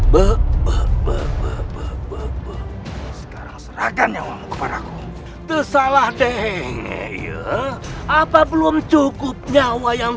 bebek bebek bebek sekarang serahkan nyawa kepadaku tersalah deh ngeyo apa belum cukup nyawa yang